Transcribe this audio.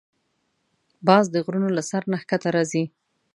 باز د غرونو له سر نه ښکته راځي